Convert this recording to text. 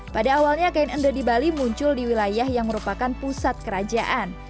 pada awalnya kain endor di bali muncul di wilayah yang merupakan pusat kerajaan